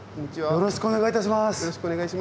よろしくお願いします。